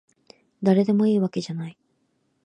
だれでもいいわけじゃない